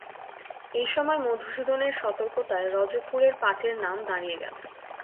এই সময়ে মধুসূদনের সতর্কতায় রজবপুরের পাটের নাম দাঁড়িয়ে গেল।